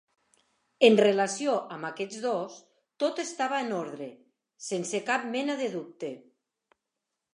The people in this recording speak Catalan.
En relació amb aquests dos, tot estava en ordre, sense cap mena de dubte.